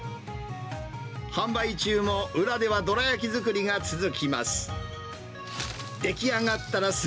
販売中も、裏ではどら焼き作りが続きます。